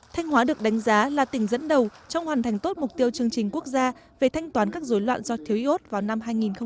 thanh hóa được đánh giá là tỉnh dẫn đầu trong hoàn thành tốt mục tiêu chương trình quốc gia về thanh toán các dối loạn do thiếu iốt vào năm hai nghìn hai mươi